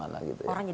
ketakutan ya pak